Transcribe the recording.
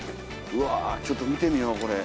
うわあちょっと見てみようこれ。